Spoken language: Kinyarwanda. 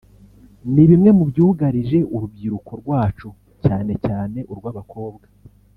ni bimwe mu byugarije urubyiruko rwacu cyane cyane urw’abakobwa